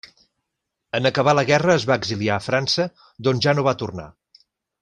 En acabar la guerra es va exiliar a França, d'on ja no va tornar.